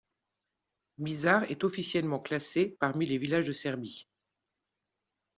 Mišar est officiellement classé parmi les villages de Serbie.